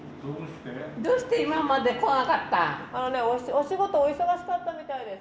お仕事お忙しかったみたいです。